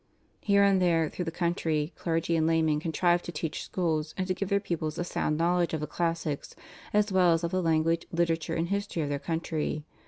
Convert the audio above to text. Here and there through the country, clergy and laymen contrived to teach schools and to give their pupils a sound knowledge of the classics as well as of the language, literature, and history of their country.